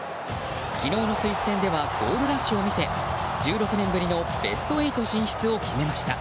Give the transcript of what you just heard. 昨日のスイス戦ではゴールラッシュを見せ１６年ぶりのベスト８進出を決めました。